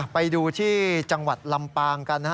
ไปดูที่จังหวัดลำบาลกัน